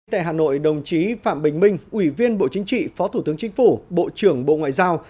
tại hà nội đồng chí phạm bình minh ủy viên bộ chính trị phó thủ tướng chính phủ bộ trưởng bộ ngoại giao